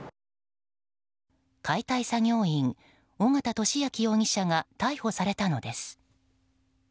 解体作業員、緒方稔晃容疑者が逮捕されたのです。